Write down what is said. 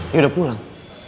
dia udah pulang